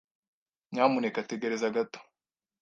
Nyamuneka tegereza gato.